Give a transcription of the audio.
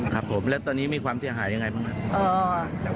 ครับผมแล้วตอนนี้มีความเสียหายยังไงบ้างครับ